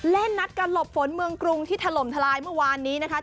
เล่นนัดการหลบฝนเมืองกรุงที่ถล่มทลายเมื่อวานนี้นะคะ